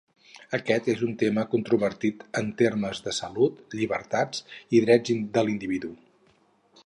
Aquest és un tema controvertit en termes de salut, llibertats i drets de l'individu.